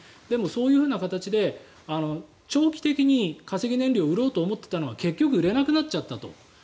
でもそういう形で長期的に化石燃料を売ろうと思っていたのが結局売れなくなっちゃったと。